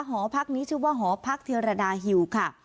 หอพักนี้ชื่อว่าหอพักเทียรดาฮิวค่ะ